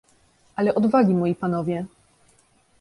"Ale odwagi, moi panowie!"